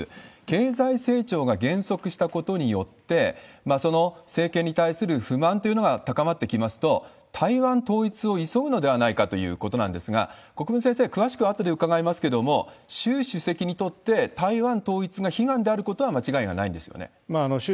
経済成長が減速したことによって、その政権に対する不満というのが高まってきますと、台湾統一を急ぐのではないかということなんですが、国分先生、詳しくあとで伺いますけれども、習主席にとって台湾統一が悲願であることは間違いがないんですよ習